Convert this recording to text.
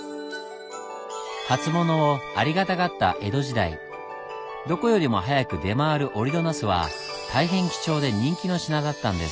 初物をありがたがった江戸時代どこよりも早く出回る折戸ナスは大変貴重で人気の品だったんです。